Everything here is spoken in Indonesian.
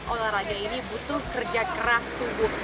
olahraga ini butuh kerja keras tubuh